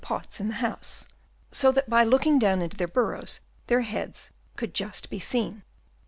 pots in the house ; so that by looking down into their burrows, their heads could just be seen.